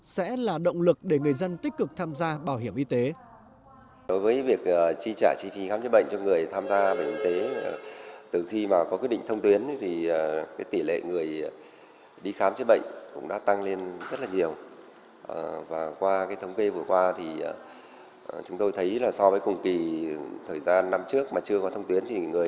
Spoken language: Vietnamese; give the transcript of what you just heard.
sẽ là động lực để người dân tích cực tham gia bảo hiểm y tế